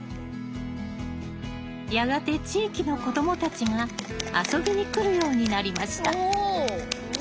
やがて地域の子どもたちが遊びに来るようになりました。